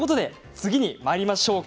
次にまいりましょう。